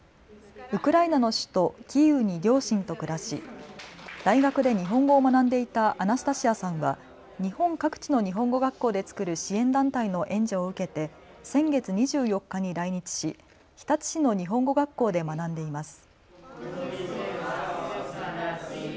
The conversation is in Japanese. ウクライナの首都キーウに両親と暮らし、大学で日本語を学んでいたアナスタシアさんは日本各地の日本語学校で作る支援団体の援助を受けて先月２４日に来日し日立市の日本語学校で学んでいます。